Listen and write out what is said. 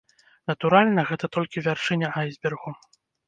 Натуральна, гэта толькі вяршыня айсбергу.